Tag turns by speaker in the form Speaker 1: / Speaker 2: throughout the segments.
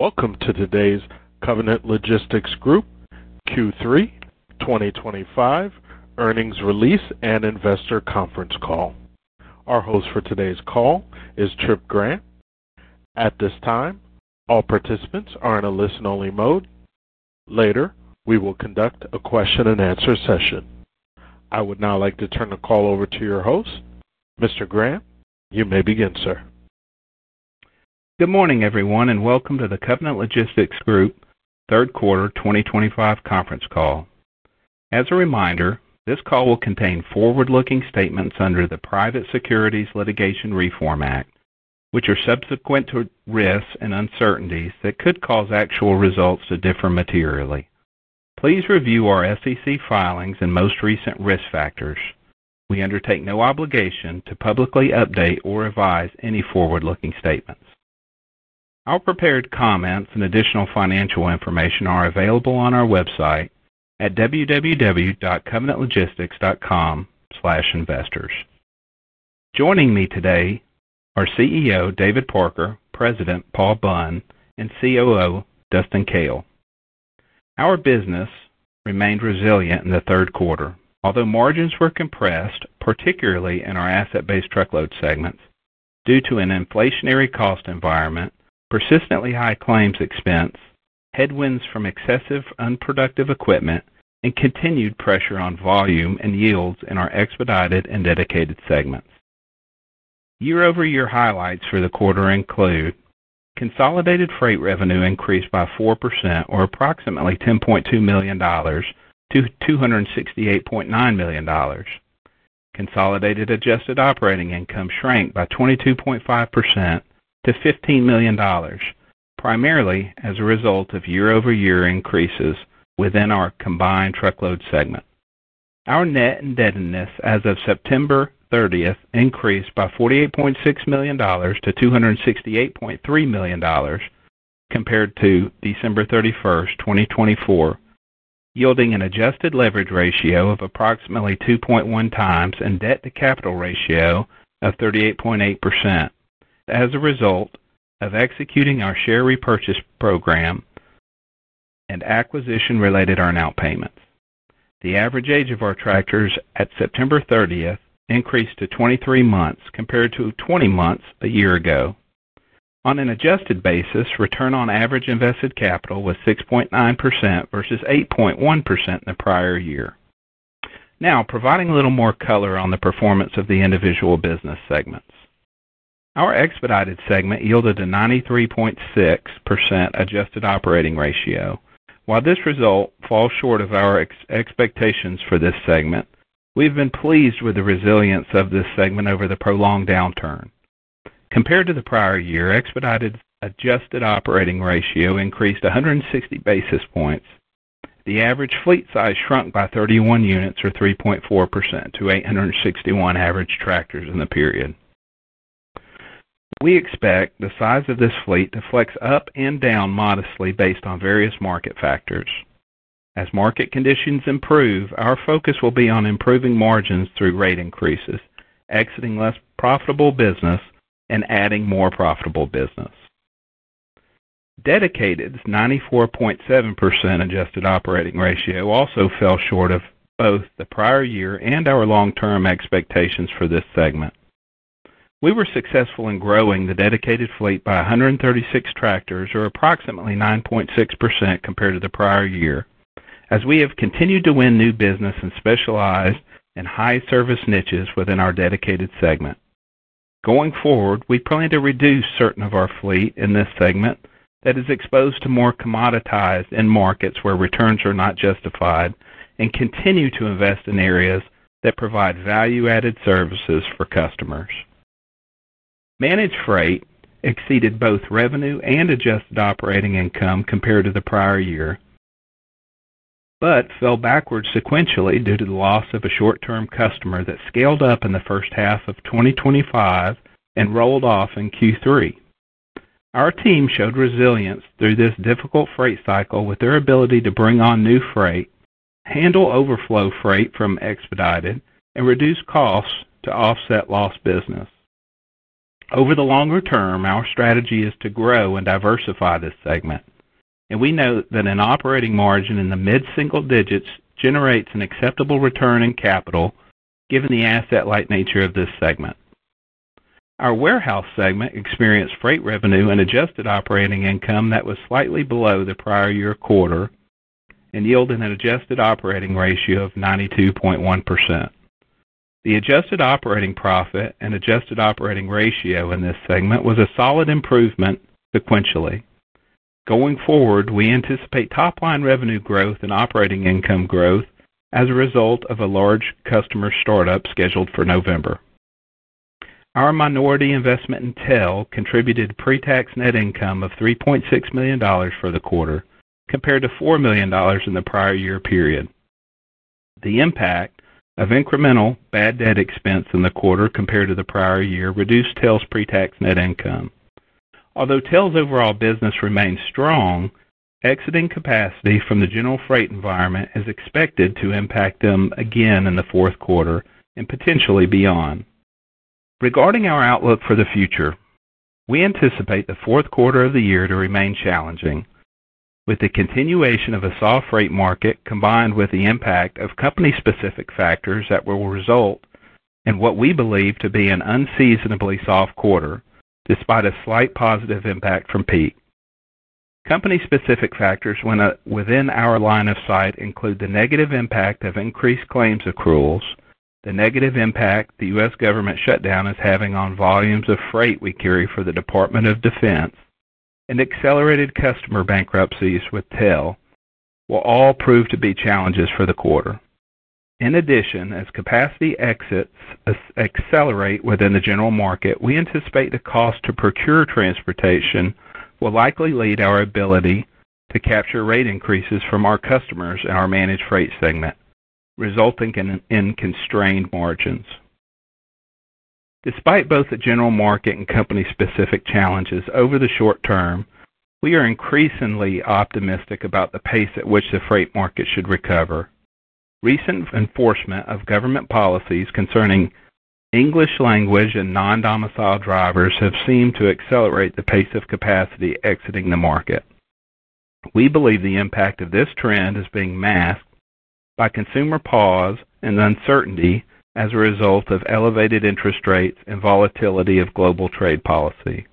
Speaker 1: Welcome to today's Covenant Logistics Group Q3 2025 earnings release and investor conference call. Our host for today's call is Tripp Grant. At this time, all participants are in a listen-only mode. Later, we will conduct a question-and-answer session. I would now like to turn the call over to your host. Mr. Grant, you may begin, sir.
Speaker 2: Good morning, everyone, and welcome to the Covenant Logistics Group third quarter 2025 conference call. As a reminder, this call will contain forward-looking statements under the Private Securities Litigation Reform Act, which are subject to risks and uncertainties that could cause actual results to differ materially. Please review our SEC filings and most recent risk factors. We undertake no obligation to publicly update or revise any forward-looking statements. Our prepared comments and additional financial information are available on our website at www.covenantlogistics.com/investors. Joining me today are CEO David Parker, President Paul Bunn, and COO Dustin Kale. Our business remained resilient in the third quarter, although margins were compressed, particularly in our asset-based truckload operations, due to an inflationary cost environment, persistently high claims expense, headwinds from excessive unproductive equipment, and continued pressure on volume and yields in our expedited and dedicated fleet segments. Year-over-year highlights for the quarter include consolidated freight revenue increased by 4%, or approximately $10.2 million-$268.9 million. Consolidated adjusted operating income shrank by 22.5% to $15 million, primarily as a result of year-over-year increases within our combined truckload segment. Our net indebtedness as of September 30th increased by $48.6 million-$268.3 million compared to December 31st, 2024, yielding an adjusted leverage ratio of approximately 2.1x and debt-to-capital ratio of 38.8%. As a result of executing our share repurchase program and acquisition-related earn-out payments, the average age of our tractors at September 30th increased to 23 months compared to 20 months a year ago. On an adjusted basis, return on average invested capital was 6.9% versus 8.1% in the prior year. Now, providing a little more color on the performance of the individual business segments, our expedited segment yielded a 93.6% adjusted operating ratio. While this result falls short of our expectations for this segment, we've been pleased with the resilience of this segment over the prolonged downturn. Compared to the prior year, expedited adjusted operating ratio increased 160 basis points. The average fleet size shrunk by 31 units, or 3.4%, to 861 average tractors in the period. We expect the size of this fleet to flex up and down modestly based on various market factors. As market conditions improve, our focus will be on improving margins through rate increases, exiting less profitable business, and adding more profitable business. Dedicated's 94.7% adjusted operating ratio also fell short of both the prior year and our long-term expectations for this segment. We were successful in growing the dedicated fleet by 136 tractors, or approximately 9.6% compared to the prior year, as we have continued to win new business and specialize in high-service niches within our dedicated segment. Going forward, we plan to reduce certain of our fleet in this segment that is exposed to more commoditized end markets where returns are not justified and continue to invest in areas that provide value-added services for customers. Managed freight exceeded both revenue and adjusted operating income compared to the prior year, but fell backward sequentially due to the loss of a short-term customer that scaled up in the first half of 2025 and rolled off in Q3. Our team showed resilience through this difficult freight cycle with their ability to bring on new freight, handle overflow freight from expedited, and reduce costs to offset lost business. Over the longer-term, our strategy is to grow and diversify this segment, and we note that an operating margin in the mid-single-digits generates an acceptable return in capital given the asset-like nature of this segment. Our warehousing segment experienced freight revenue and adjusted operating income that was slightly below the prior year quarter and yielded an adjusted operating ratio of 92.1%. The adjusted operating profit and adjusted operating ratio in this segment was a solid improvement sequentially. Going forward, we anticipate top-line revenue growth and operating income growth as a result of a large customer startup scheduled for November. Our minority investment in TEL contributed a pre-tax net income of $3.6 million for the quarter compared to $4 million in the prior year period. The impact of incremental bad debt expense in the quarter compared to the prior year reduced TEL's pre-tax net income. Although TEL's overall business remains strong, exiting capacity from the general freight environment is expected to impact them again in the fourth quarter and potentially beyond. Regarding our outlook for the future, we anticipate the fourth quarter of the year to remain challenging with the continuation of a soft freight market combined with the impact of company-specific factors that will result in what we believe to be an unseasonably soft quarter despite a slight positive impact from Peak. Company-specific factors within our line of sight include the negative impact of increased claims accruals, the negative impact the U.S. government shutdown is having on volumes of freight we carry for the Department of Defense, and accelerated customer bankruptcies with TEL will all prove to be challenges for the quarter. In addition, as capacity exits accelerate within the general market, we anticipate the cost to procure transportation will likely lead to our ability to capture rate increases from our customers in our managed freight segment, resulting in constrained margins. Despite both the general market and company-specific challenges over the short term, we are increasingly optimistic about the pace at which the freight market should recover. Recent enforcement of government policies concerning English language and non-domiciled drivers have seemed to accelerate the pace of capacity exiting the market. We believe the impact of this trend is being masked by consumer pause and uncertainty as a result of elevated interest rates and volatility of global trade policy.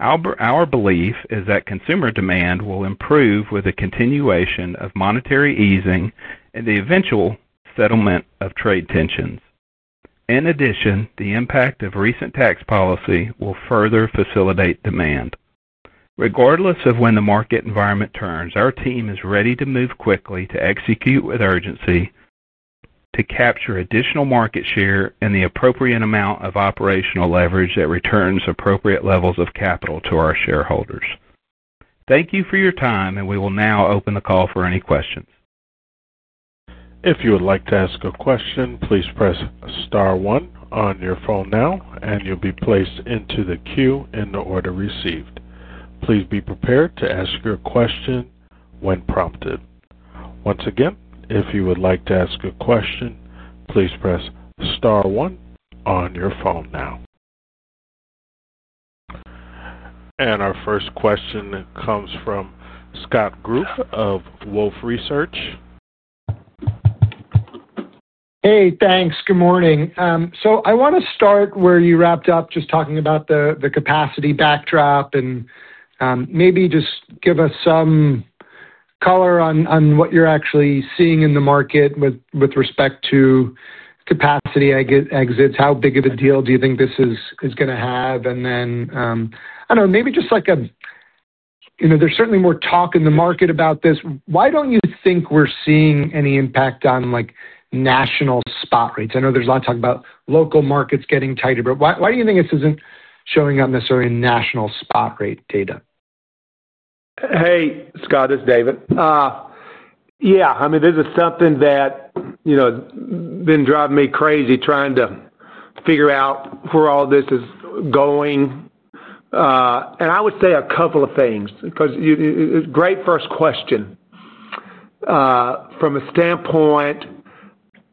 Speaker 2: Our belief is that consumer demand will improve with the continuation of monetary easing and the eventual settlement of trade tensions. In addition, the impact of recent tax policy will further facilitate demand. Regardless of when the market environment turns, our team is ready to move quickly to execute with urgency to capture additional market share and the appropriate amount of operational leverage that returns appropriate levels of capital to our shareholders. Thank you for your time, and we will now open the call for any questions.
Speaker 1: If you would like to ask a question, please press star one on your phone now, and you'll be placed into the queue in the order received. Please be prepared to ask your question when prompted. Once again, if you would like to ask a question, please press star one on your phone now. Our first question comes from Scott Group of Wolfe Research.
Speaker 3: Hey, thanks. Good morning. I want to start where you wrapped up, just talking about the capacity backdrop and maybe just give us some color on what you're actually seeing in the market with respect to capacity exits. How big of a deal do you think this is going to have? I don't know, maybe just like a, you know, there's certainly more talk in the market about this. Why don't you think we're seeing any impact on national spot rates? I know there's a lot of talk about local markets getting tighter, but why do you think this isn't showing up necessarily in national spot rate data?
Speaker 4: Hey, Scott, it's David. This is something that has been driving me crazy trying to figure out where all this is going. I would say a couple of things because you, great first question. From a standpoint,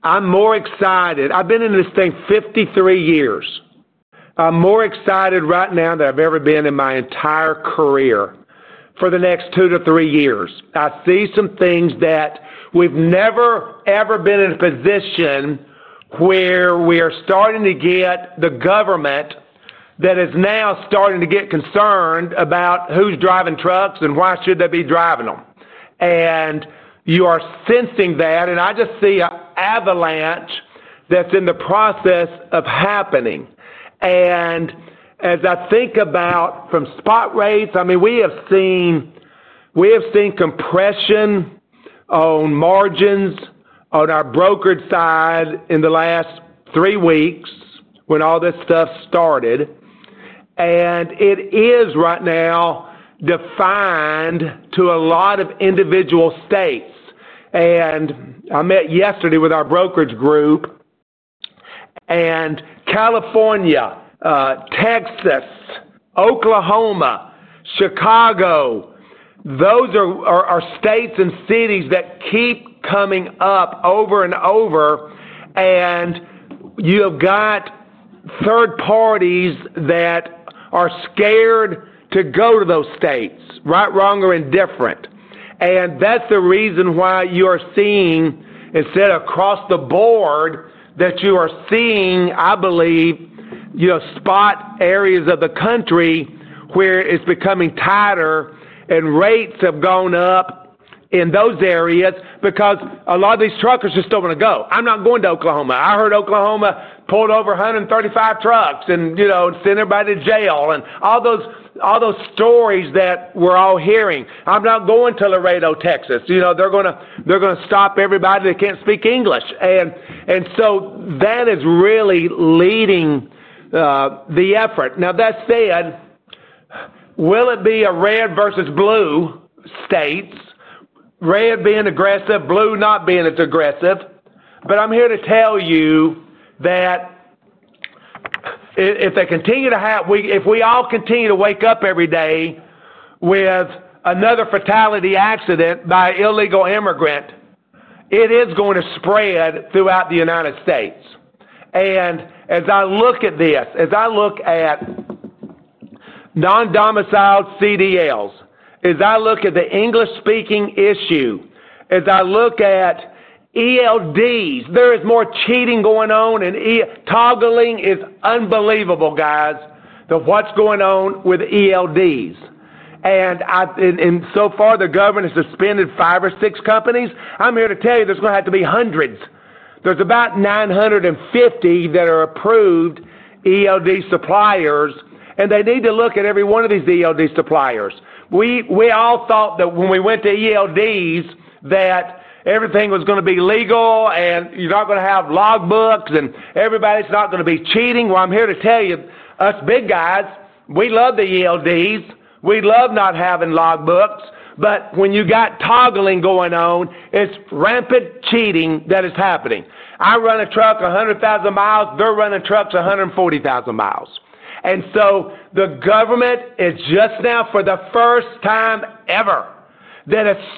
Speaker 4: I'm more excited. I've been in this thing 53 years. I'm more excited right now than I've ever been in my entire career for the next two to three years. I see some things that we've never, ever been in a position where we are starting to get the government that is now starting to get concerned about who's driving trucks and why should they be driving them. You are sensing that, and I just see an avalanche that's in the process of happening. As I think about from spot rates, we have seen compression on margins on our brokerage side in the last three weeks when all this stuff started. It is right now defined to a lot of individual states. I met yesterday with our brokerage group, and California, Texas, Oklahoma, Chicago, those are our states and cities that keep coming up over and over. You have got third parties that are scared to go to those states, right, wrong, or indifferent. That is the reason why you are seeing, instead of across the board, that you are seeing, I believe, spot areas of the country where it's becoming tighter and rates have gone up in those areas because a lot of these truckers just don't want to go. I'm not going to Oklahoma. I heard Oklahoma pulled over 135 trucks and sent everybody to jail and all those stories that we're all hearing. I'm not going to Laredo, Texas. They're going to stop everybody that can't speak English. That is really leading the effort. That said, will it be a red versus blue states? Red being aggressive, blue not being as aggressive. I'm here to tell you that if they continue to have, if we all continue to wake up every day with another fatality accident by an illegal immigrant, it is going to spread throughout the United States. As I look at this, as I look Non-domiciled CDLs, as I look at the English-speaking issue, as I look at ELDs, there is more cheating going on, and toggling is unbelievable, guys, to what's going on with ELDs. So far, the government has suspended five or six companies. I'm here to tell you there's going to have to be hundreds. There's about 950 that are approved ELD suppliers, and they need to look at every one of these ELD suppliers. We all thought that when we went to ELDs that everything was going to be legal and you're not going to have logbooks and everybody's not going to be cheating. I'm here to tell you, us big guys, we love the ELDs. We love not having logbooks. When you got toggling going on, it's rampant cheating that is happening. I run a truck 100,000 mi. They're running trucks 140,000 mi. The government is just now, for the first time ever,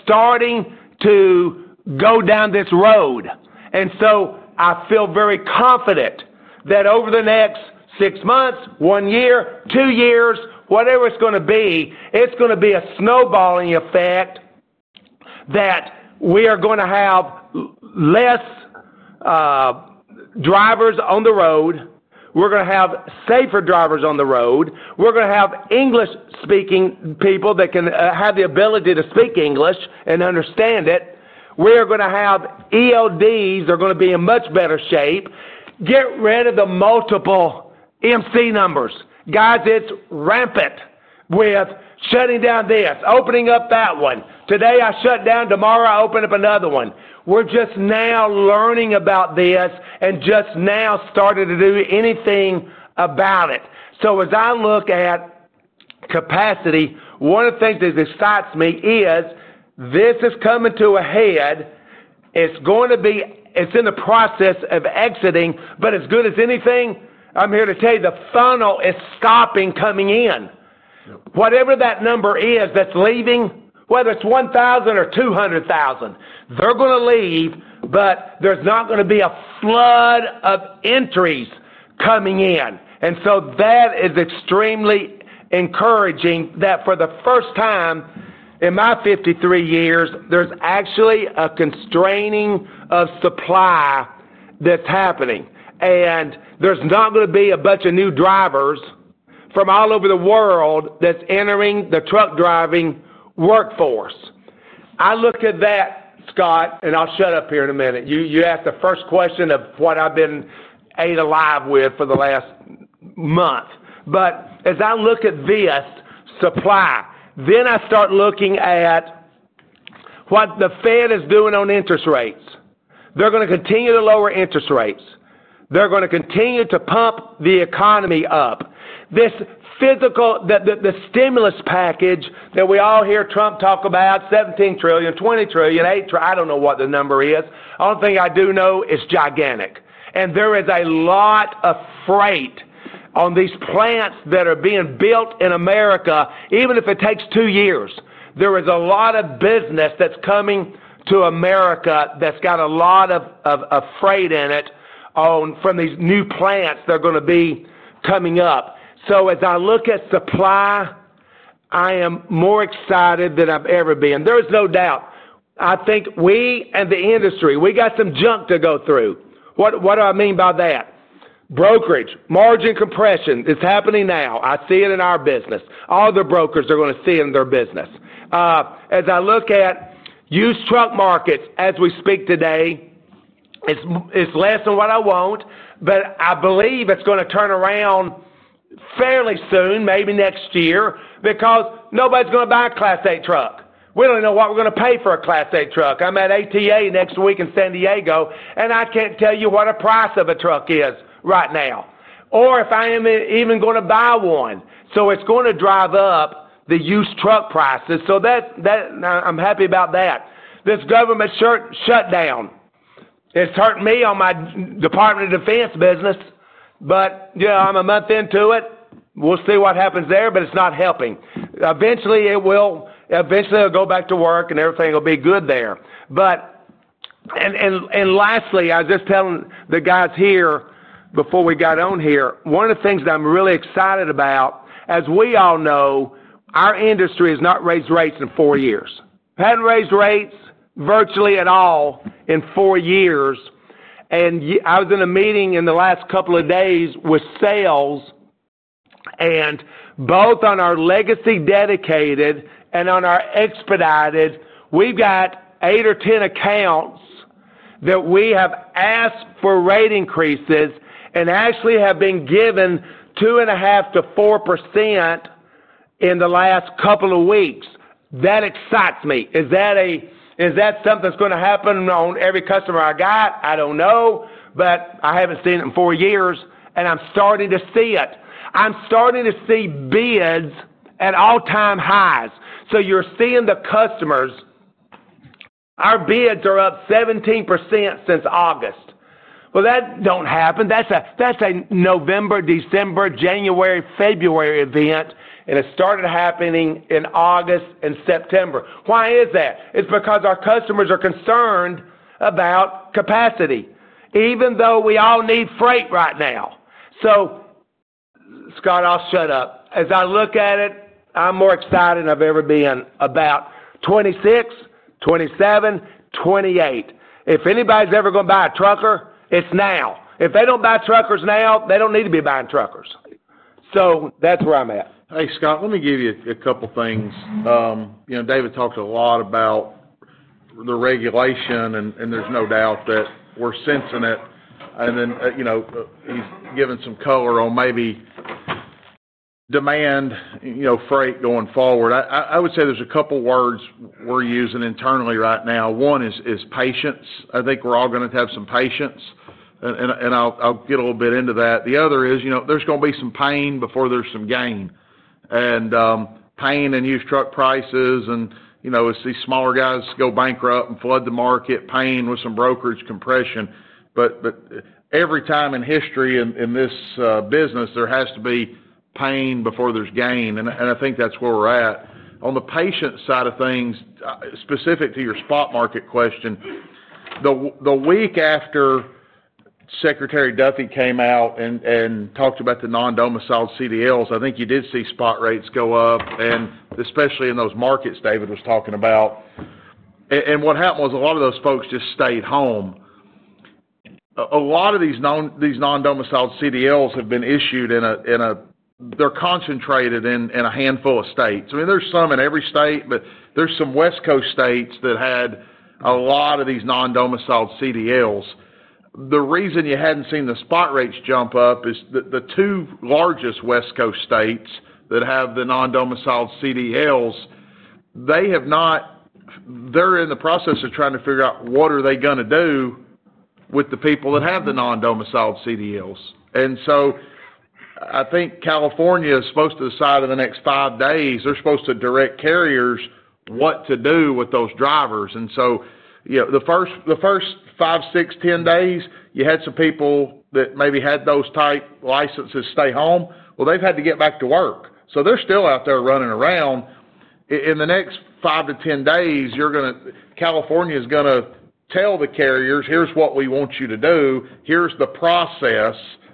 Speaker 4: starting to go down this road. I feel very confident that over the next six months, one year, two years, whatever it's going to be, it's going to be a snowballing effect that we are going to have less drivers on the road. We're going to have safer drivers on the road. We're going to have English-speaking people that can have the ability to speak English and understand it. We are going to have ELDs that are going to be in much better shape, get rid of the multiple MC numbers. Guys, it's rampant with shutting down this, opening up that one. Today I shut down, tomorrow I open up another one. We're just now learning about this and just now started to do anything about it. As I look at capacity, one of the things that excites me is this is coming to a head. It's in the process of exiting, but as good as anything, I'm here to tell you the funnel is stopping coming in. Whatever that number is that's leaving, whether it's 1,000 or 200,000, they're going to leave, but there's not going to be a flood of entries coming in. That is extremely encouraging that for the first time in my 53 years, there's actually a constraining of supply that's happening. There's not going to be a bunch of new drivers from all over the world that's entering the truck driving workforce. I looked at that, Scott, and I'll shut up here in a minute. You asked the first question of what I've been ate alive with for the last month. As I look at this supply, then I start looking at what the Fed is doing on interest rates. They're going to continue to lower interest rates. They're going to continue to pump the economy up. This physical, the stimulus package that we all hear Trump talk about, $17 trillion, $20 trillion, $8 trillion, I don't know what the number is. The only thing I do know is gigantic. There is a lot of freight on these plants that are being built in America, even if it takes two years. There is a lot of business that's coming to America that's got a lot of freight in it from these new plants that are going to be coming up. As I look at supply, I am more excited than I've ever been. There is no doubt. I think we and the industry, we got some junk to go through. What do I mean by that? Brokerage, margin compression is happening now. I see it in our business. All the brokers are going to see it in their business. As I look at used truck markets as we speak today, it's less than what I want, but I believe it's going to turn around fairly soon, maybe next year, because nobody's going to buy a Class A truck. We don't even know what we're going to pay for a Class A truck. I'm at ATA next week in San Diego, and I can't tell you what the price of a truck is right now, or if I am even going to buy one. It's going to drive up the used truck prices. I'm happy about that. This government shutdown has hurt me on my Department of Defense business, but I'm a month into it. We'll see what happens there, but it's not helping. Eventually, it will go back to work and everything will be good there. Lastly, I was just telling the guys here before we got on here, one of the things that I'm really excited about, as we all know, our industry has not raised rates in four years. We haven't raised rates virtually at all in four years. I was in a meeting in the last couple of days with sales, and both on our legacy dedicated and on our expedited, we've got eight or 10 accounts that we have asked for rate increases and actually have been given 2.5%-4% in the last couple of weeks. That excites me. Is that something that's going to happen on every customer I got? I don't know, but I haven't seen it in four years, and I'm starting to see it. I'm starting to see bids at all-time highs. You're seeing the customers. Our bids are up 17% since August. That doesn't happen. That's a November, December, January, February event, and it started happening in August and September. Why is that? It's because our customers are concerned about capacity, even though we all need freight right now. Scott, I'll shut up. As I look at it, I'm more excited than I've ever been about 2026, 2027, 2028. If anybody's ever going to buy a trucker, it's now. If they don't buy truckers now, they don't need to be buying truckers. That's where I'm at.
Speaker 5: Thanks, Scott. Let me give you a couple of things. You know, David talked a lot about the regulation, and there's no doubt that we're sensing it. He's given some color on maybe demand, you know, freight going forward. I would say there's a couple of words we're using internally right now. One is patience. I think we're all going to have some patience, and I'll get a little bit into that. The other is, you know, there's going to be some pain before there's some gain. Pain in used truck prices, and you know, we see smaller guys go bankrupt and flood the market, pain with some brokerage compression. Every time in history in this business, there has to be pain before there's gain. I think that's where we're at. On the patience side of things, specific to your spot market question, the week after Secretary Duffy came out and talked about Non-domiciled CDLs, i think you did see spot rates go up, especially in those markets David was talking about. What happened was a lot of those folks just stayed home. A lot of Non-domiciled CDLs have been issued in a, they're concentrated in a handful of states. I mean, there's some in every state, but there's some West Coast states that had a lot of Non-domiciled CDLs. the reason you hadn't seen the spot rates jump up is that the two largest West Coast states that have Non-domiciled CDLs, they have not, they're in the process of trying to figure out what are they going to do with the people that have the Non-domiciled CDLs. I think California is supposed to decide in the next five days, they're supposed to direct carriers what to do with those drivers. The first five, six, 10 days, you had some people that maybe had those type licenses stay home. They've had to get back to work, so they're still out there running around. In the next five to ten days, California is going to tell the carriers, "Here's what we want you to do. Here's the process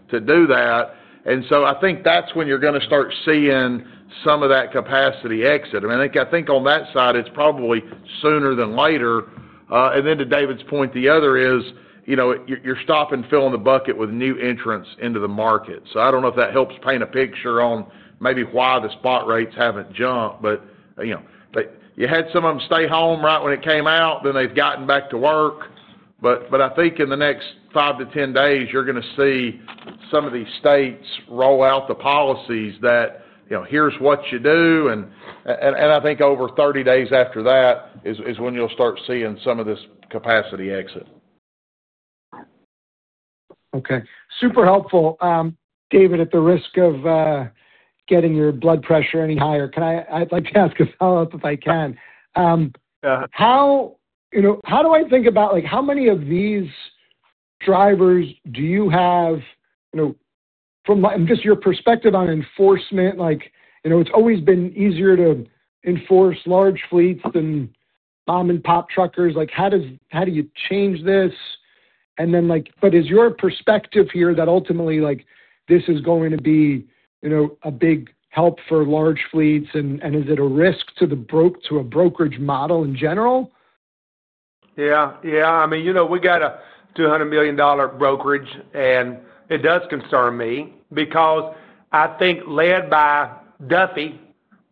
Speaker 5: to do that." I think that's when you're going to start seeing some of that capacity exit. I mean, I think on that side, it's probably sooner than later. To David's point, the other is, you know, you're stopping filling the bucket with new entrants into the market. I don't know if that helps paint a picture on maybe why the spot rates haven't jumped, but you know, you had some of them stay home right when it came out, then they've gotten back to work. I think in the next five to ten days, you're going to see some of these states roll out the policies that, you know, here's what you do. I think over 30 days after that is when you'll start seeing some of this capacity exit.
Speaker 3: Okay. Super helpful. David, at the risk of getting your blood pressure any higher, can I, I'd like to ask a follow-up if I can. Yeah, how, you know, how do I think about like how many of these drivers do you have, you know, from just your perspective on enforcement? It's always been easier to enforce large fleets than mom-and-pop truckers. How does, how do you change this? Is your perspective here that ultimately this is going to be a big help for large fleets? Is it a risk to the brokerage model in general?
Speaker 4: Yeah, I mean, you know, we got a $200 million brokerage, and it does concern me because I think led by Duffy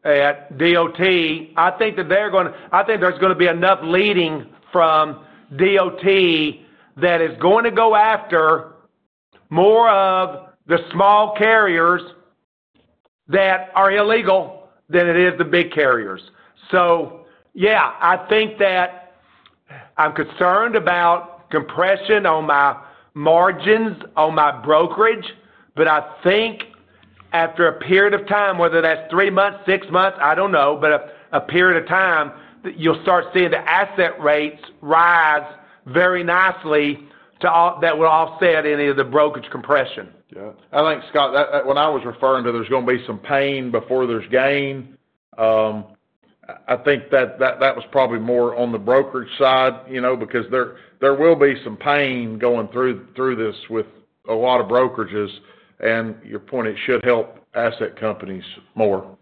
Speaker 4: at the Department of Defense, I think that they're going to, I think there's going to be enough leading from the Department of Defense that is going to go after more of the small carriers that are illegal than it is the big carriers. I think that I'm concerned about compression on my margins on my brokerage, but I think after a period of time, whether that's three months, six months, I don't know, but a period of time, you'll start seeing the asset rates rise very nicely to all that will offset any of the brokerage compression.
Speaker 5: Yeah. I think, Scott, that when I was referring to there's going to be some pain before there's gain, I think that that was probably more on the brokerage side, you know, because there will be some pain going through this with a lot of brokerages. Your point, it should help asset companies more.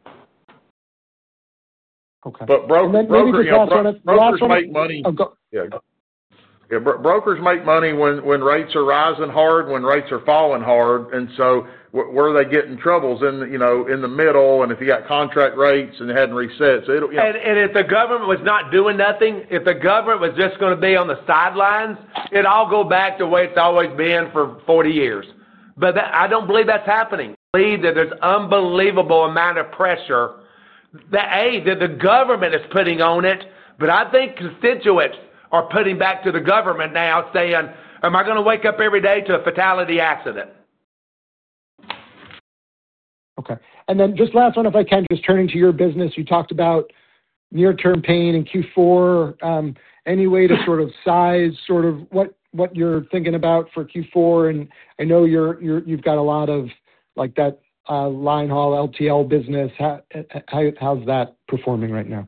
Speaker 5: Okay, but brokers make money. Yeah, brokers make money when rates are rising hard, when rates are falling hard. Where are they getting troubles? You know, in the middle, and if you got contract rates and they hadn't reset, it'll, you know.
Speaker 4: If the government was not doing nothing, if the government was just going to be on the sidelines, it'd all go back to the way it's always been for 40 years. I don't believe that's happening. I believe that there's an unbelievable amount of pressure that, A, the government is putting on it, but I think constituents are putting back to the government now saying, "Am I going to wake up every day to a fatality accident?
Speaker 3: Okay. Just last one, if I can, just turning to your business, you talked about near-term pain in Q4. Any way to sort of size what you're thinking about for Q4? I know you've got a lot of like that Line Haul LTL business. How's that performing right now?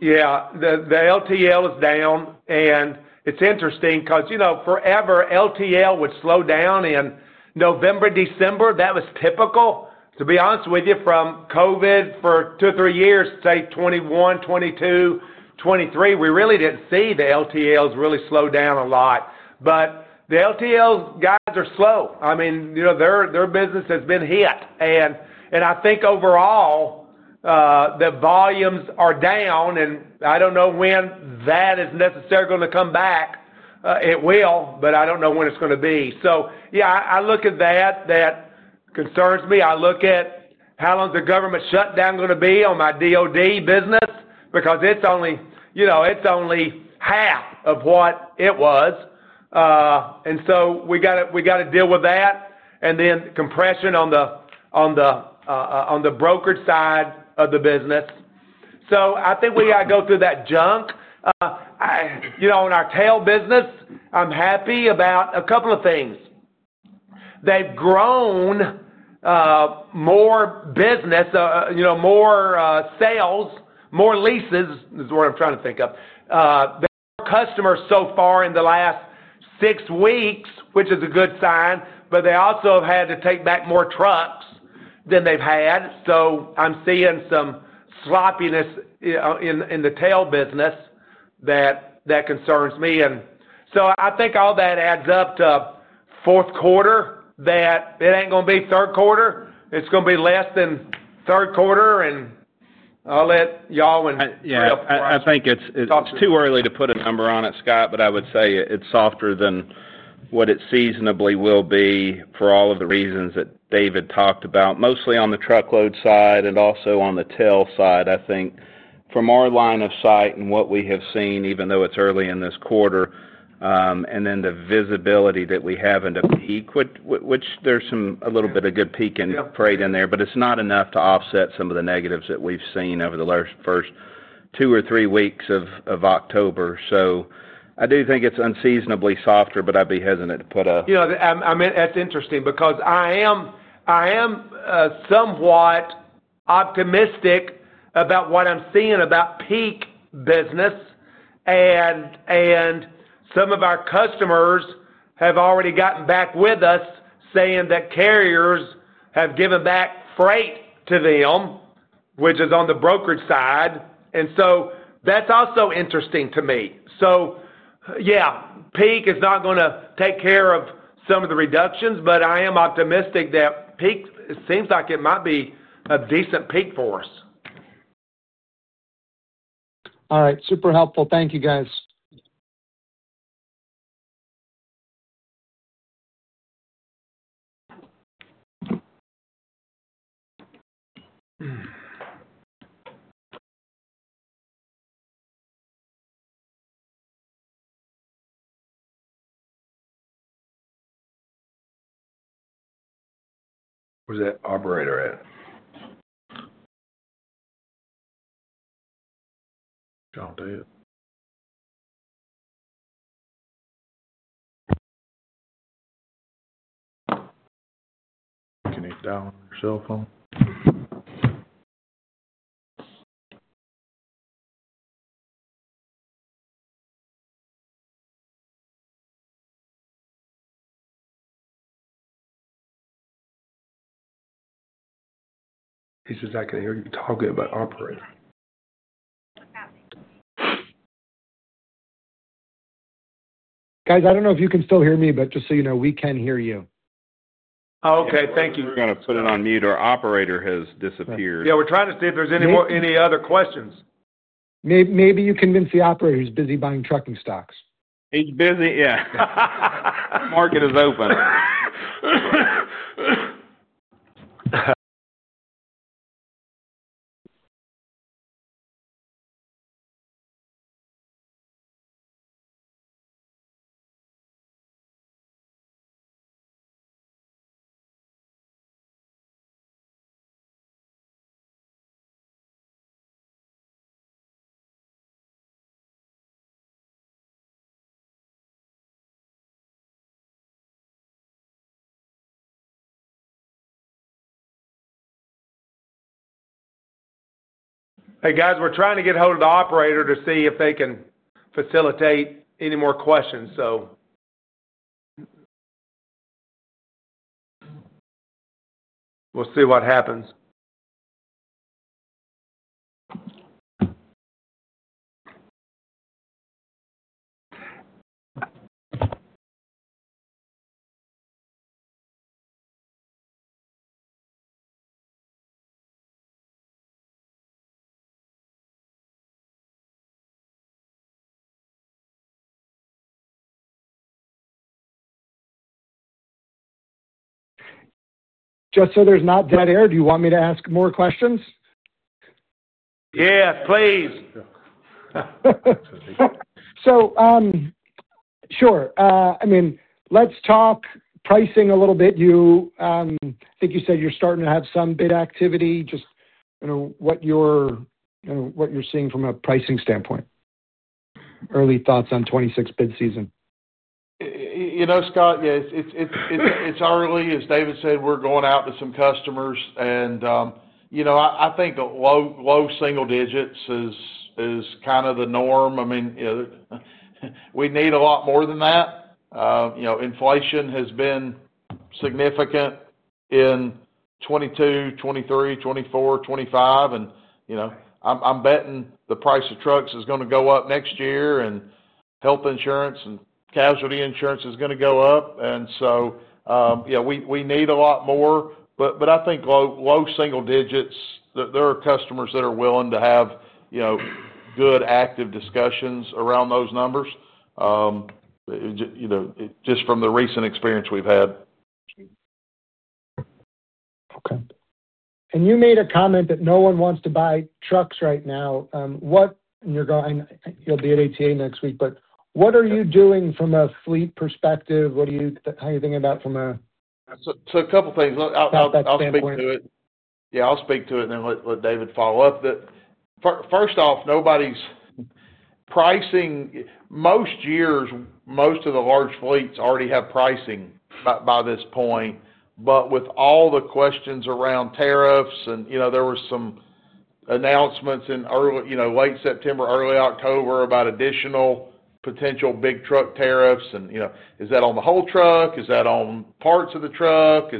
Speaker 4: Yeah, the LTL is down. It's interesting because, you know, forever, LTL would slow down in November, December. That was typical. To be honest with you, from COVID for two or three years, say 2021, 2022, 2023, we really didn't see the LTLs really slow down a lot. The LTL guys are slow. I mean, you know, their business has been hit. I think overall, the volumes are down. I don't know when that is necessarily going to come back. It will, but I don't know when it's going to be. Yeah, I look at that. That concerns me. I look at how long is the government shutdown going to be on my DoD business because it's only, you know, it's only half of what it was. We got to deal with that. Then compression on the brokerage side of the business. I think we got to go through that junk. You know, in our TEL business, I'm happy about a couple of things. They've grown more business, you know, more sales, more leases is what I'm trying to think of. They've grown customers so far in the last six weeks, which is a good sign. They also have had to take back more trucks than they've had. I'm seeing some sloppiness in the TEL business that concerns me. I think all that adds up to fourth quarter that it ain't going to be third quarter. It's going to be less than third quarter. I'll let y'all.
Speaker 2: I think it's too early to put a number on it, Scott, but I would say it's softer than what it seasonably will be for all of the reasons that David talked about, mostly on the truckload side and also on the TEL side. I think from our line of sight and what we have seen, even though it's early in this quarter, and then the visibility that we have into peak, which there's a little bit of good peak in freight in there, but it's not enough to offset some of the negatives that we've seen over the first two or three weeks of October. I do think it's unseasonably softer, but I'd be hesitant to put a.
Speaker 4: Yeah, that's interesting because I am somewhat optimistic about what I'm seeing about peak business. Some of our customers have already gotten back with us saying that carriers have given back freight to them, which is on the brokerage side. That's also interesting to me. Peak is not going to take care of some of the reductions, but I am optimistic that peak seems like it might be a decent peak for us.
Speaker 3: All right, super helpful. Thank you, guys.
Speaker 2: Who's that operator at? Don't do it. Can you dial on your cell phone? He says I can hear you talking about operator.
Speaker 3: Guys, I don't know if you can still hear me, but just so you know, we can hear you.
Speaker 4: Oh, okay. Thank you.
Speaker 2: You've got to put it on mute. Our operator has disappeared.
Speaker 4: Yeah, we're trying to see if there's any more, any other questions.
Speaker 3: Maybe you convince the operator who's busy buying trucking stocks.
Speaker 4: He's busy, yeah. Market is open. Hey, guys, we're trying to get a hold of the operator to see if they can facilitate any more questions, so we'll see what happens.
Speaker 3: Just so there's not dead air, do you want me to ask more questions?
Speaker 4: Yes, please.
Speaker 3: I mean, let's talk pricing a little bit. I think you said you're starting to have some bid activity. Just what you're seeing from a pricing standpoint. Early thoughts on 2026 bid season.
Speaker 5: You know, Scott, yeah, it's early. As David said, we're going out to some customers. I think low, low-single-digits is kind of the norm. I mean, we need a lot more than that. Inflation has been significant in 2022, 2023, 2024, 2025. I'm betting the price of trucks is going to go up next year, and health insurance and casualty insurance is going to go up. We need a lot more. I think low, low-single-digits, there are customers that are willing to have good active discussions around those numbers, just from the recent experience we've had.
Speaker 3: Okay. You made a comment that no one wants to buy trucks right now. What are you doing from a fleet perspective? How are you thinking about that?
Speaker 5: A couple of things. I'll speak to it and then let David follow up. First off, nobody's pricing. Most years, most of the large fleets already have pricing by this point. With all the questions around tariffs, and you know, there were some announcements in late September, early October about additional potential big truck tariffs. Is that on the whole truck? Is that on parts of the truck?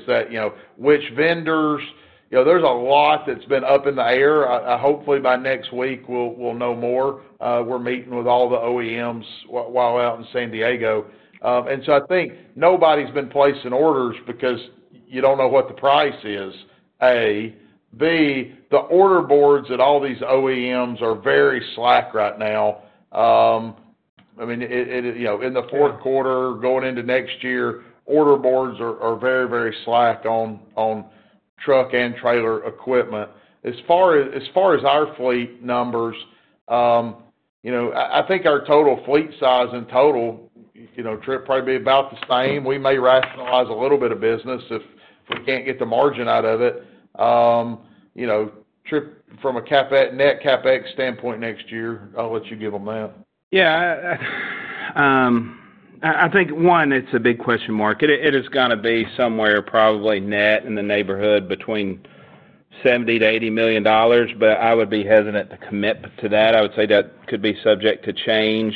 Speaker 5: Which vendors? There's a lot that's been up in the air. Hopefully, by next week, we'll know more. We're meeting with all the OEMs while out in San Diego. I think nobody's been placing orders because you don't know what the price is, A. B, the order boards at all these OEMs are very slack right now. In the fourth quarter going into next year, order boards are very, very slack on truck and trailer equipment. As far as our fleet numbers, I think our total fleet size in total, trip probably be about the same. We may rationalize a little bit of business if we can't get the margin out of it. Trip, from a Net CapEx standpoint next year, I'll let you give them that.
Speaker 4: Yeah, I think one, it's a big question mark. It has got to be somewhere probably net in the neighborhood between $70 million-$80 million, but I would be hesitant to commit to that. I would say that could be subject to change.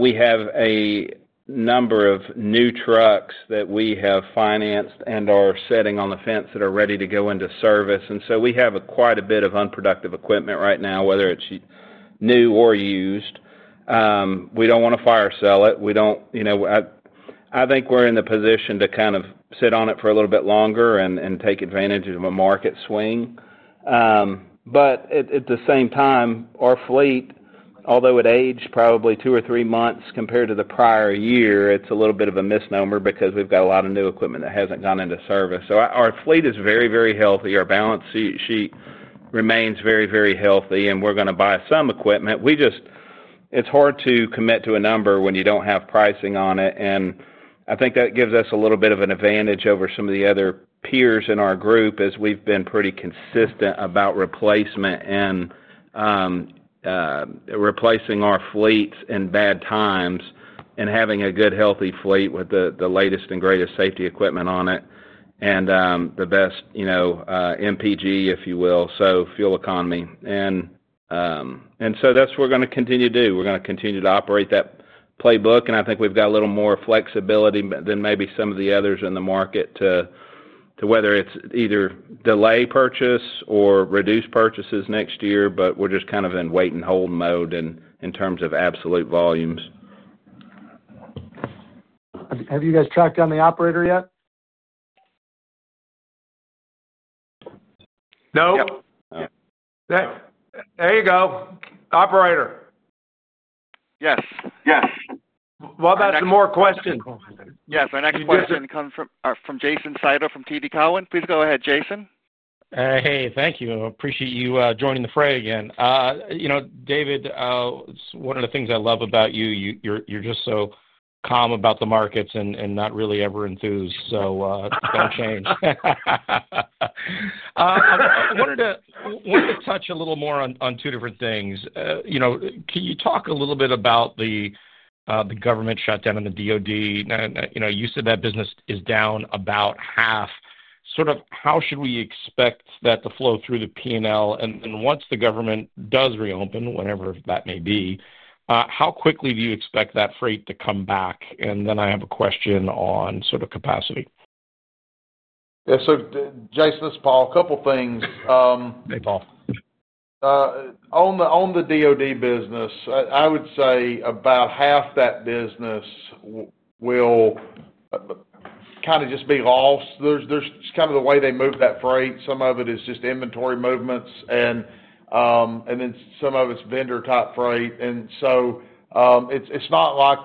Speaker 4: We have a number of new trucks that we have financed and are sitting on the fence that are ready to go into service. We have quite a bit of unproductive equipment right now, whether it's new or used. We don't want to fire sell it. I think we're in the position to kind of sit on it for a little bit longer and take advantage of a market swing. At the same time, our fleet, although it aged probably two or three months compared to the prior year, it's a little bit of a misnomer because we've got a lot of new equipment that hasn't gone into service. Our fleet is very, very healthy. Our balance sheet remains very, very healthy, and we're going to buy some equipment. It's hard to commit to a number when you don't have pricing on it. I think that gives us a little bit of an advantage over some of the other peers in our group as we've been pretty consistent about replacement and replacing our fleets in bad times and having a good, healthy fleet with the latest and greatest safety equipment on it and the best, you know, MPG, if you will, so fuel economy. That's what we're going to continue to do. We're going to continue to operate that playbook. I think we've got a little more flexibility than maybe some of the others in the market to whether it's either delay purchase or reduce purchases next year, but we're just kind of in wait-and-hold mode in terms of absolute volumes.
Speaker 3: Have you guys tracked down the operator yet?
Speaker 4: Thank you. There you go, Operator.
Speaker 1: Yes. Yes.
Speaker 4: What about some more questions?
Speaker 1: Yes, our next question comes from Jason Seidel from TD Cowen. Please go ahead, Jason.
Speaker 6: Hey, thank you. I appreciate you joining the fray again. You know, David, it's one of the things I love about you. You're just so calm about the markets and not really ever enthused. Don't change. I wanted to touch a little more on two different things. You know, can you talk a little bit about the government shutdown and the Department of Defense? You know, you said that business is down about half. Sort of how should we expect that to flow through the P&L? Once the government does reopen, whenever that may be, how quickly do you expect that freight to come back? I have a question on sort of capacity.
Speaker 5: Yeah, Jason, this is Paul. A couple of things.
Speaker 6: Hey, Paul.
Speaker 5: On the Department of Defense business, I would say about half that business will kind of just be lost. That's just kind of the way they move that freight. Some of it is just inventory movements, and then some of it's vendor-type freight. It's not like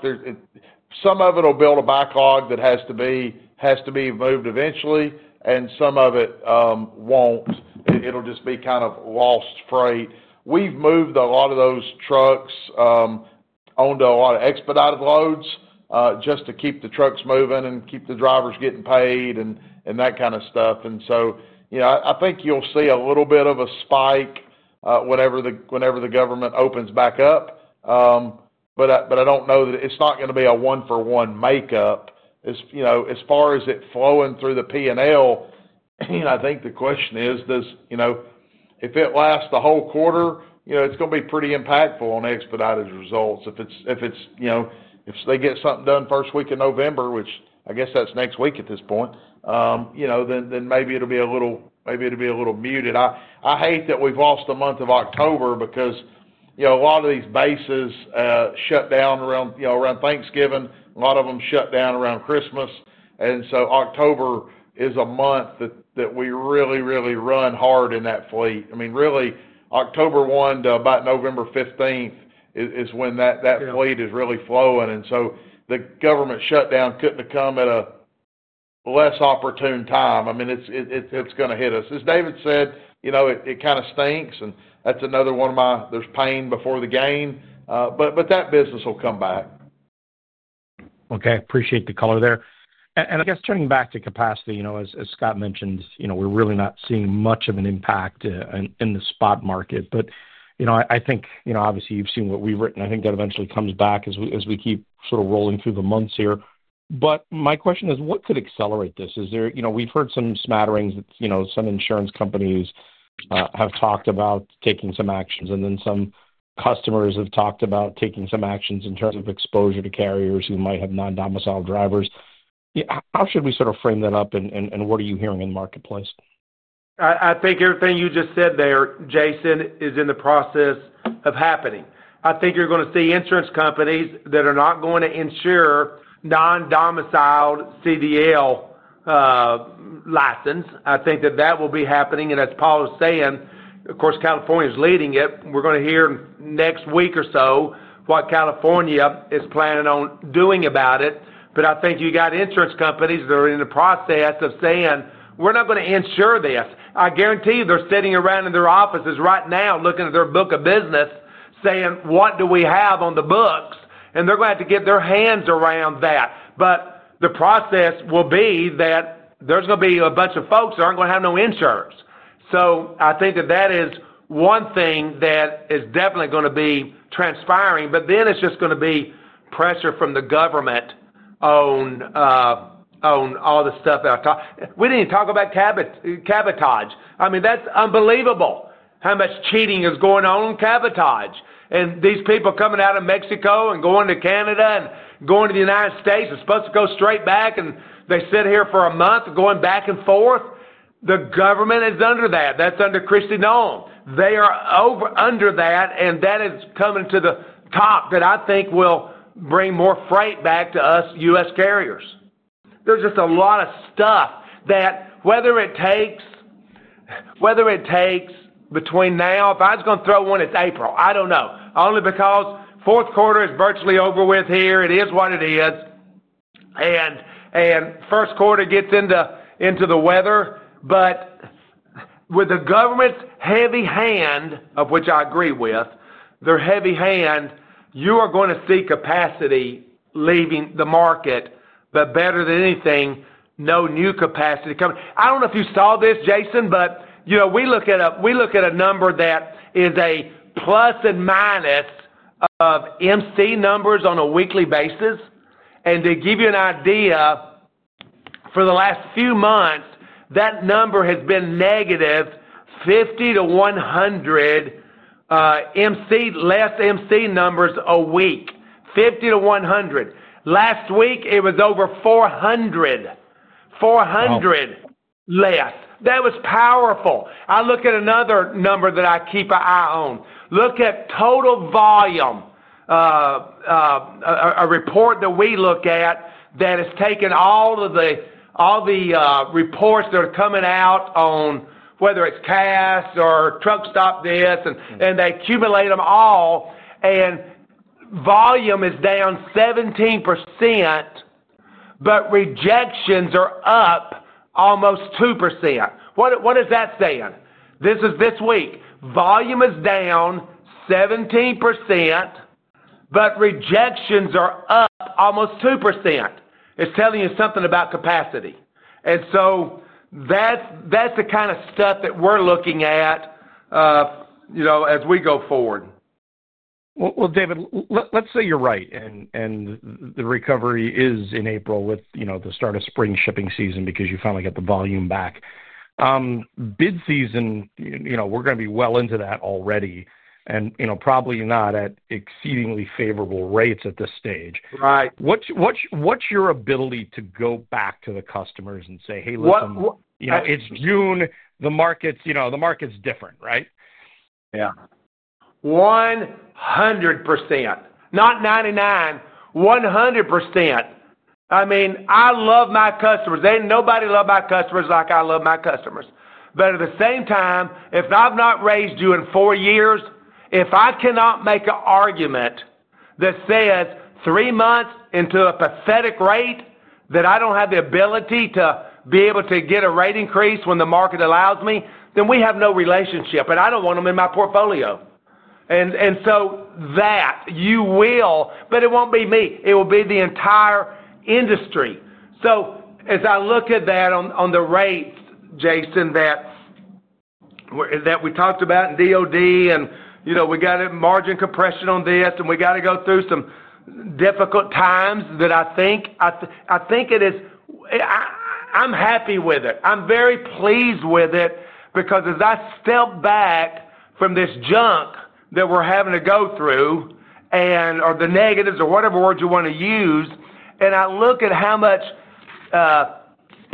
Speaker 5: some of it will build a backlog that has to be moved eventually, and some of it won't. It'll just be kind of lost freight. We've moved a lot of those trucks onto a lot of expedited loads just to keep the trucks moving and keep the drivers getting paid and that kind of stuff. I think you'll see a little bit of a spike whenever the government opens back up, but I don't know that it's going to be a one-for-one makeup. As far as it flowing through the P&L, I think the question is, if it lasts the whole quarter, it's going to be pretty impactful on expedited results. If they get something done first week in November, which I guess that's next week at this point, then maybe it'll be a little muted. I hate that we've lost the month of October because a lot of these bases shut down around Thanksgiving. A lot of them shut down around Christmas. October is a month that we really, really run hard in that fleet. Really, October 1 to about November 15 is when that fleet is really flowing. The government shutdown couldn't have come at a less opportune time. It's going to hit us. As David said, it kind of stinks. That's another one of my, there's pain before the gain, but that business will come back.
Speaker 6: Okay. Appreciate the color there. I guess turning back to capacity, as Scott mentioned, we're really not seeing much of an impact in the spot market. I think, obviously, you've seen what we've written. I think that eventually comes back as we keep sort of rolling through the months here. My question is, what could accelerate this? Is there, you know, we've heard some smatterings that some insurance companies have talked about taking some actions, and then some customers have talked about taking some actions in terms of exposure to carriers who might have non-domiciled drivers. How should we sort of frame that up and what are you hearing in the marketplace?
Speaker 4: I think everything you just said there, Jason, is in the process of happening. I think you're going to see insurance companies that are not going to insure non-domiciled CDL license. I think that that will be happening. As Paul was saying, of course, California is leading it. We're going to hear in the next week or so what California is planning on doing about it. I think you got insurance companies that are in the process of saying, "We're not going to insure this." I guarantee you they're sitting around in their offices right now looking at their book of business, saying, "What do we have on the books?" They're going to have to get their hands around that. The process will be that there's going to be a bunch of folks that aren't going to have no insurance. I think that that is one thing that is definitely going to be transpiring. It's just going to be pressure from the government on all the stuff that I talked. We didn't even talk about cabotage. I mean, that's unbelievable how much cheating is going on on cabotage. These people coming out of Mexico and going to Canada and going to the United States and supposed to go straight back, and they sit here for a month going back and forth. The government is under that. That's under Christie Nolan. They are over under that, and that is coming to the top that I think will bring more freight back to us, U.S. carriers. There's just a lot of stuff that whether it takes between now, if I was going to throw one, it's April. I don't know. Only because fourth quarter is virtually over with here. It is what it is. First quarter gets into the weather. With the government's heavy hand, of which I agree with, their heavy hand, you are going to see capacity leaving the market. Better than anything, no new capacity coming. I don't know if you saw this, Jason, but you know we look at a number that is a plus and minus of MC numbers on a weekly basis. To give you an idea, for the last few months, that number has been negative 50-100 less MC numbers a week, 50-100. Last week, it was over 400, 400 less. That was powerful. I look at another number that I keep an eye on. Look at total volume, a report that we look at that has taken all of the reports that are coming out on whether it's CAS or Truck Stop This, and they accumulate them all. Volume is down 17%, but rejections are up almost 2%. What is that saying? This is this week. Volume is down 17%, but rejections are up almost 2%. It's telling you something about capacity. That's the kind of stuff that we're looking at, you know, as we go forward.
Speaker 6: David, let's say you're right, and the recovery is in April with, you know, the start of spring shipping season because you finally get the volume back. Bid season, you know, we're going to be well into that already, and you know, probably not at exceedingly favorable rates at this stage. Right. What's your ability to go back to the customers and say, "Hey, listen, you know, it's June. The market's, you know, the market's different," right?
Speaker 4: Yeah. 100%. Not 99, 100%. I mean, I love my customers. Ain't nobody love my customers like I love my customers. At the same time, if I've not raised you in four years, if I cannot make an argument that says three months into a pathetic rate that I don't have the ability to be able to get a rate increase when the market allows me, then we have no relationship, and I don't want them in my portfolio. You will, but it won't be me. It will be the entire industry. As I look at that on the rates, Jason, that we talked about in Department of Defense, and you know, we got a margin compression on this, and we got to go through some difficult times that I think, I think it is, I'm happy with it. I'm very pleased with it because as I step back from this junk that we're having to go through, or the negatives or whatever words you want to use, and I look at how much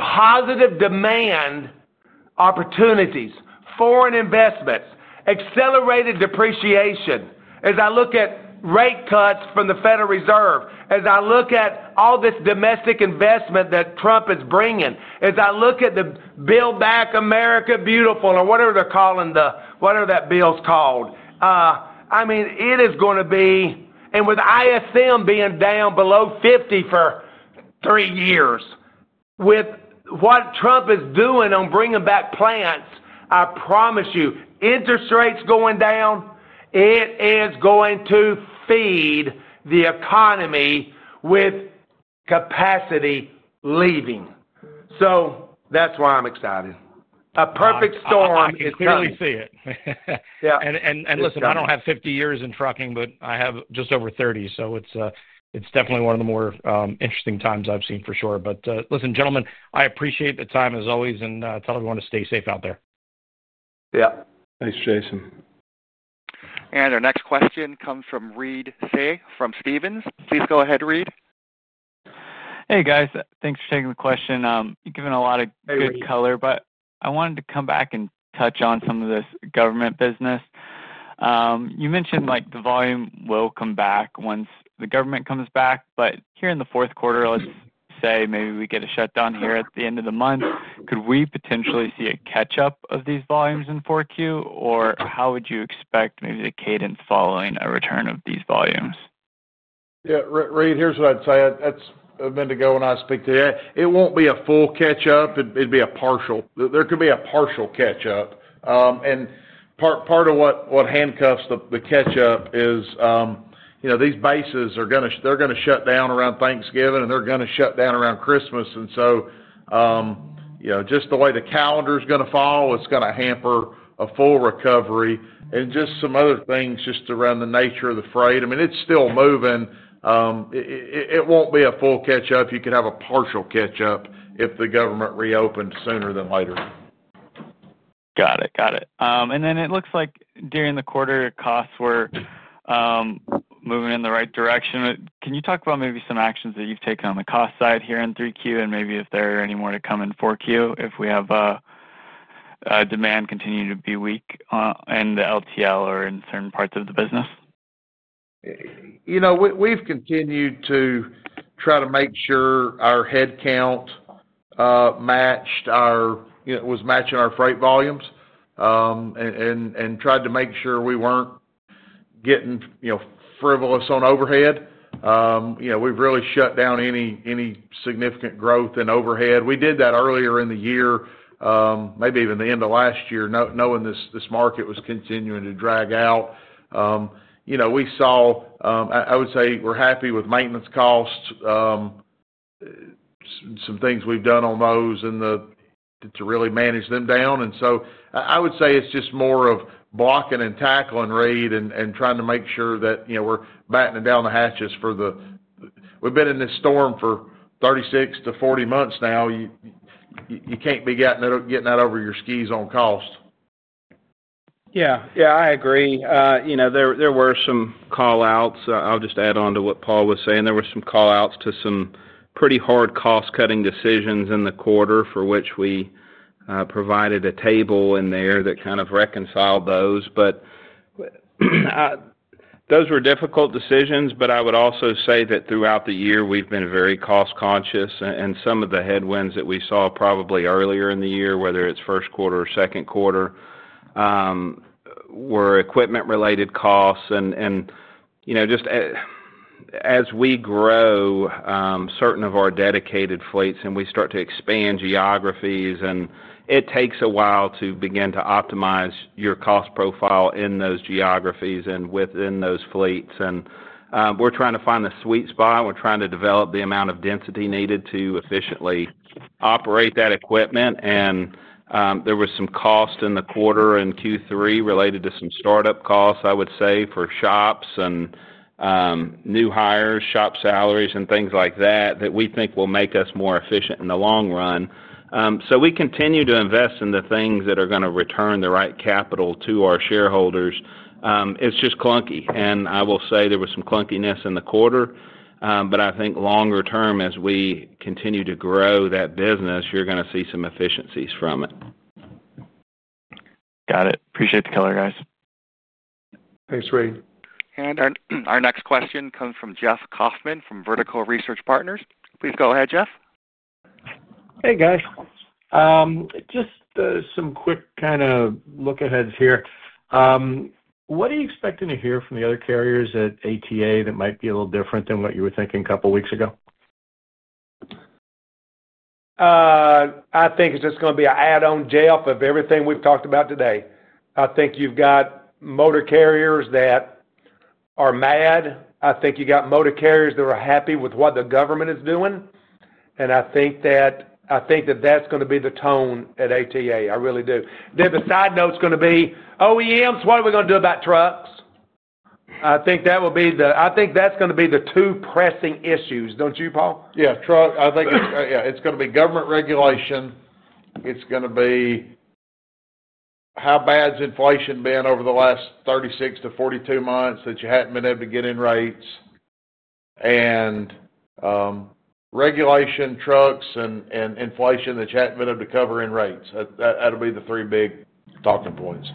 Speaker 4: positive demand opportunities, foreign investments, accelerated depreciation, as I look at rate cuts from the Federal Reserve, as I look at all this domestic investment that Trump is bringing, as I look at the Build Back America Beautiful or whatever they're calling the, whatever that bill's called. It is going to be, and with ISM being down below 50 for three years, with what Trump is doing on bringing back plants, I promise you, interest rates going down, it is going to feed the economy with capacity leaving. That's why I'm excited. A perfect storm is here.
Speaker 6: Yeah, I can totally see it. I don't have 50 years in trucking, but I have just over 30. It's definitely one of the more interesting times I've seen for sure. I appreciate the time as always, and tell everyone to stay safe out there.
Speaker 4: Yeah.
Speaker 1: Thanks, Jason. Our next question comes from Reed Sayre from Stephens. Please go ahead, Reed.
Speaker 7: Hey, guys. Thanks for taking the question. You've given a lot of good color, but I wanted to come back and touch on some of this government business. You mentioned the volume will come back once the government comes back. Here in the fourth quarter, let's say maybe we get a shutdown at the end of the month. Could we potentially see a catch-up of these volumes in Q4, or how would you expect the cadence following a return of these volumes?
Speaker 5: Yeah, Reed, here's what I'd say. A minute ago when I speak to you, it won't be a full catch-up. It'd be a partial. There could be a partial catch-up. Part of what handcuffs the catch-up is, you know, these bases are going to shut down around Thanksgiving, and they're going to shut down around Christmas. Just the way the calendar is going to fall, it's going to hamper a full recovery. Some other things just around the nature of the freight, I mean, it's still moving. It won't be a full catch-up. You could have a partial catch-up if the government reopened sooner than later.
Speaker 7: Got it. Got it. It looks like during the quarter, costs were moving in the right direction. Can you talk about maybe some actions that you've taken on the cost side here in 3Q and maybe if there are any more to come in 4Q if we have demand continue to be weak in the LTL or in certain parts of the business?
Speaker 5: We've continued to try to make sure our headcount matched our, you know, it was matching our freight volumes, and tried to make sure we weren't getting frivolous on overhead. We've really shut down any significant growth in overhead. We did that earlier in the year, maybe even the end of last year, knowing this market was continuing to drag out. We saw, I would say we're happy with maintenance costs, some things we've done on those to really manage them down. I would say it's just more of blocking and tackling, Reed, and trying to make sure that we're battening down the hatches for the, we've been in this storm for 36-40 months now. You can't be getting out over your skis on cost.
Speaker 2: Yeah, I agree. You know, there were some callouts. I'll just add on to what Paul was saying. There were some callouts to some pretty hard cost-cutting decisions in the quarter for which we provided a table in there that kind of reconciled those. Those were difficult decisions, but I would also say that throughout the year, we've been very cost-conscious. Some of the headwinds that we saw probably earlier in the year, whether it's first quarter or second quarter, were equipment-related costs. You know, just as we grow certain of our dedicated fleets and we start to expand geographies, it takes a while to begin to optimize your cost profile in those geographies and within those fleets. We're trying to find the sweet spot. We're trying to develop the amount of density needed to efficiently operate that equipment. There was some cost in the quarter and Q3 related to some startup costs, I would say, for shops and new hires, shop salaries, and things like that that we think will make us more efficient in the long run. We continue to invest in the things that are going to return the right capital to our shareholders. It's just clunky. I will say there was some clunkiness in the quarter. I think longer term, as we continue to grow that business, you're going to see some efficiencies from it.
Speaker 7: Got it. Appreciate the color, guys.
Speaker 1: Thanks, Reed. Our next question comes from Jeff Kauffman from Vertical Research Partners. Please go ahead, Jeff.
Speaker 8: Hey, guys, just some quick kind of look-aheads here. What are you expecting to hear from the other carriers at ATA that might be a little different than what you were thinking a couple of weeks ago?
Speaker 4: I think it's just going to be an add-on jump of everything we've talked about today. I think you've got motor carriers that are mad. I think you've got motor carriers that are happy with what the government is doing. I think that's going to be the tone at ATA. The side note is going to be, "OEMs, what are we going to do about trucks?" I think that's going to be the two pressing issues, don't you, Paul?
Speaker 5: I think it's going to be government regulation. It's going to be how bad's inflation been over the last 36-42 months that you hadn't been able to get in rates? Regulation, trucks, and inflation that you hadn't been able to cover in rates. That'll be the three big talking points.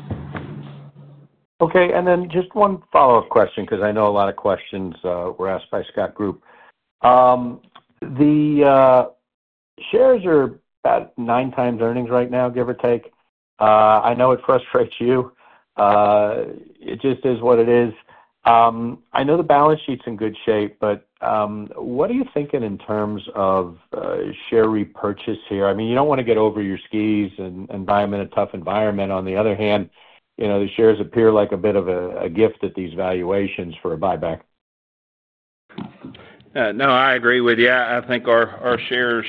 Speaker 8: Okay. Just one follow-up question because I know a lot of questions were asked by Scott Group. The shares are about 9x earnings right now, give or take. I know it frustrates you. It just is what it is. I know the balance sheet's in good shape, but what are you thinking in terms of share repurchase here? You don't want to get over your skis and buy them in a tough environment. On the other hand, the shares appear like a bit of a gift at these valuations for a buyback.
Speaker 2: No, I agree with you. I think our shares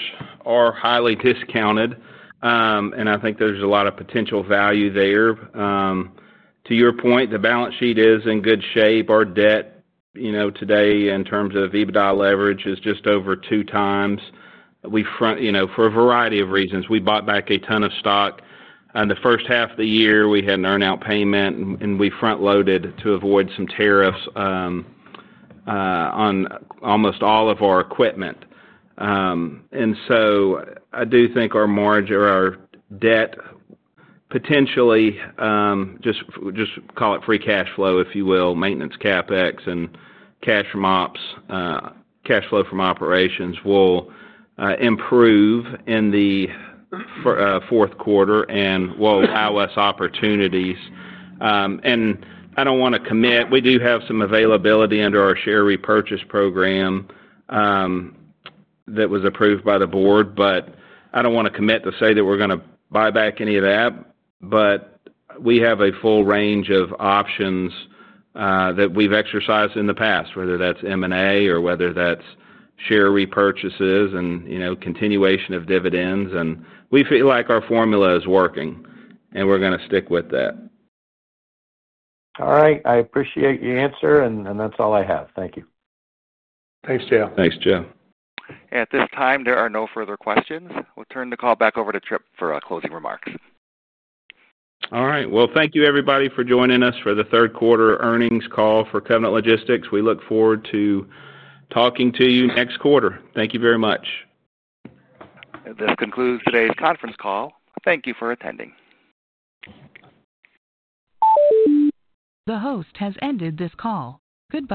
Speaker 2: are highly discounted, and I think there's a lot of potential value there. To your point, the balance sheet is in good shape. Our debt today in terms of EBITDA leverage is just over 2x. We, for a variety of reasons, bought back a ton of stock. In the first half of the year, we had an earnout payment, and we front-loaded to avoid some tariffs on almost all of our equipment. I do think our margin or our debt potentially, just call it free cash flow, if you will, maintenance CapEx and cash from operations will improve in the fourth quarter and will allow us opportunities. I don't want to commit. We do have some availability under our share repurchase program that was approved by the board, but I don't want to commit to say that we're going to buy back any of that. We have a full range of options that we've exercised in the past, whether that's M&A or whether that's share repurchases and continuation of dividends. We feel like our formula is working, and we're going to stick with that.
Speaker 8: All right. I appreciate your answer, and that's all I have. Thank you.
Speaker 5: Thanks, Jeff.
Speaker 2: Thanks, Jeff.
Speaker 1: At this time, there are no further questions. We'll turn the call back over to Tripp for closing remarks.
Speaker 2: All right. Thank you, everybody, for joining us for the third quarter earnings call for Covenant Logistics Group. We look forward to talking to you next quarter. Thank you very much.
Speaker 1: This concludes today's conference call. Thank you for attending.
Speaker 9: The host has ended this call. Goodbye.